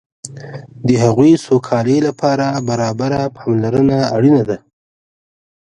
د هغوی سوکالۍ لپاره برابره پاملرنه اړینه ده.